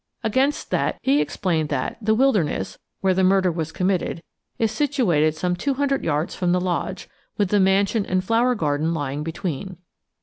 Against that he explained that "The Wilderness," where the murder was committed, is situated some 200 yards from the lodge, with the mansion and flower garden lying between.